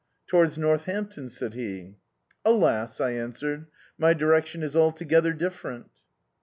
"To wards Northampton," said he. "Alas," I answered, "my directioi is altc^ther different."